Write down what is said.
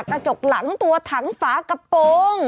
กระจกหลังตัวถังฝากระโปรง